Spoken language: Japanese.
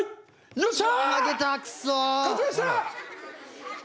よっしゃ！